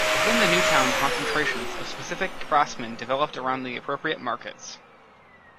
Within the New Town concentrations of specific craftsmen developed around the appropriate markets.